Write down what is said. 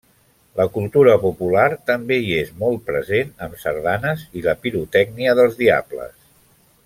La cultura popular també hi és molt present, amb sardanes i la pirotècnia dels diables.